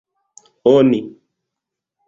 oni